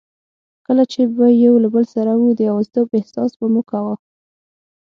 کله چي به یو له بل سره وو، د یوازیتوب احساس به مو کاوه.